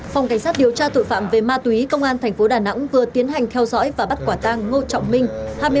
phòng cảnh sát điều tra tội phạm về ma túy công an thành phố đà nẵng vừa tiến hành theo dõi và bắt quả tăng ngô trọng minh